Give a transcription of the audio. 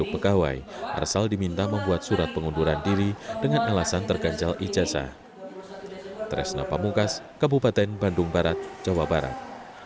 sepuluh pegawai arsal diminta membuat surat pengunduran diri dengan alasan terganjal ijazah